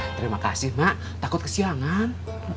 terima kasih mak takut kesiangan